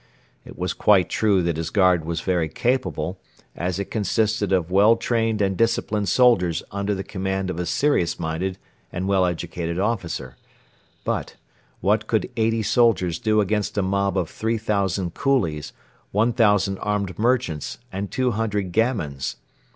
It was quite true that his guard was very capable, as it consisted of well trained and disciplined soldiers under the command of a serious minded and well educated officer; but, what could eighty soldiers do against a mob of three thousand coolies, one thousand armed merchants and two hundred gamins?